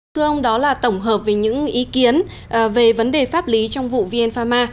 thưa ông đó là tổng hợp về những ý kiến về vấn đề pháp lý trong vụ vn pharma